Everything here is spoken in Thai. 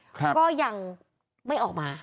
ก็ยังไม่ออกมา